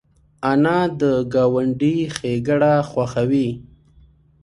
انا د ګاونډي ښېګڼه خوښوي